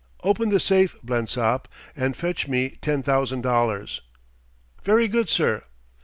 "Open the safe, Blensop, and fetch me ten thousand dollars." "Very good, sir."